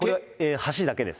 橋だけです。